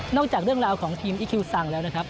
จากเรื่องราวของทีมอิคิวซังแล้วนะครับ